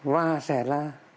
và sẽ là